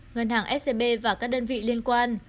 ngân hàng scb và các đơn vị liên quan